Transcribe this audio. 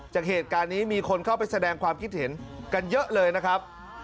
จากเหตุการณ์นี้มีคนเข้าไปแสดงความคิดเห็นกันเยอะเลยนะครับ